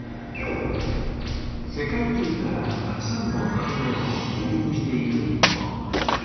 世界中からたくさんの食べ物をゆ入している日本。